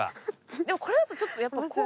でもこれだとちょっとやっぱこう。